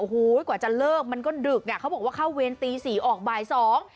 โอ้โหกว่าจะเลิกมันก็ดึกอ่ะเขาบอกว่าเข้าเวรตีสี่ออกบ่ายสอง